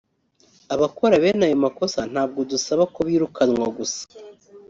Abakora bene aya makosa ntabwo dusaba ko birukanwa gusa